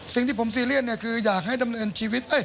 สิ่งที่ผมซีเรียสเนี่ยคืออยากให้ดำเนินชีวิต